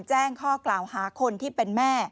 แจ้งข้อกล่าวหาคนที่เป็นแม่